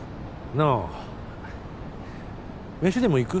なあ飯でも行く？